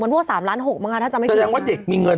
วันว่อ๓ล้าน๖ฯเมื่อกะถ้าจะไม่ดีแต่แหลงว่าเด็กมีเงิน